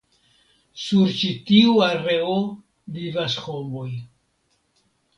Sur ĉi tiu areo vivas homoj.